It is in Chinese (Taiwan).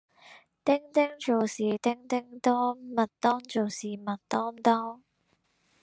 丁丁做事叮叮噹，麥當做事麥當當